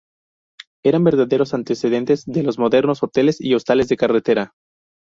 Eran verdaderos antecedentes de los modernos hoteles y hostales de carretera.